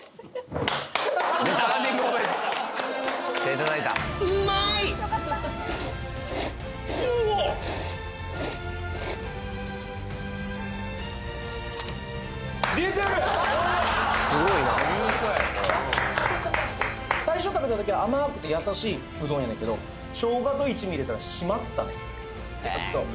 手たたいたよかったうわっ出てるすごいな優勝やこれは最初食べたときは甘くて優しいうどんやねんけどショウガと一味入れたら締まったね